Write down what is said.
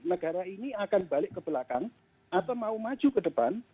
negara ini akan balik ke belakang atau mau maju ke depan